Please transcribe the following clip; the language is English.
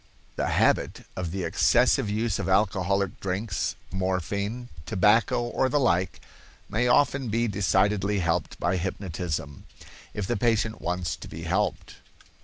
—The habit of the excessive use of alcoholic drinks, morphine, tobacco, or the like, may often be decidedly helped by hypnotism, if the patient wants to be helped.